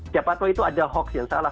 siapa tahu itu ada hoax yang salah